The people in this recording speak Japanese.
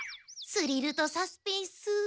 スリルとサスペンス。